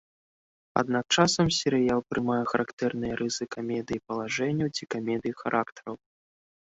Аднак часам серыял прымае характэрныя рысы камедыі палажэнняў ці камедыі характараў.